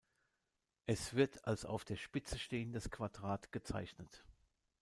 Es wird als auf der Spitze stehendes Quadrat gezeichnet.